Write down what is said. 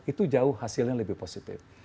itu jauh hasilnya lebih positif